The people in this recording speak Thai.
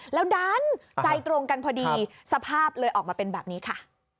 แล้วดันใจตรงกันพอดีสภาพเลยออกมาเป็นแบบนี้ค่ะ